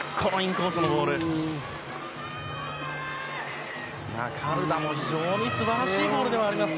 カルダも非常に素晴らしいボールではあります。